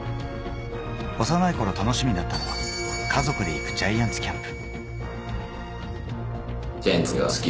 幼い頃、楽しみだったのは家族で行くジャイアンツキャンプ。